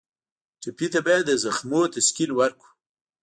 ټپي ته باید د زخمونو تسکین ورکړو.